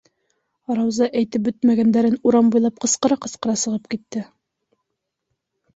Рауза әйтеп бөтмәгәндәрен урам буйлап ҡысҡыра-ҡысҡыра сығып китте.